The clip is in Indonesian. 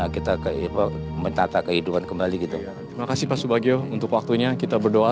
kita menata kehidupan kembali gitu terima kasih pak subagio untuk waktunya kita berdoa